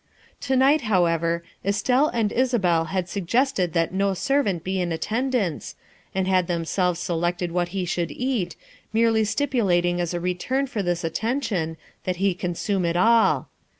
To night, however, Estelle and Isabel had suggested that no servant be in attendance, and had themselves selected what he should eat, merely stipulating as a return for this attention that he consume it all.